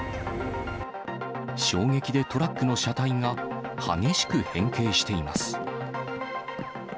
衝撃でトラックの車体が激しく変形しています。